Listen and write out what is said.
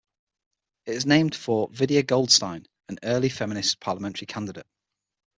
It is named for Vida Goldstein, an early feminist parliamentary candidate.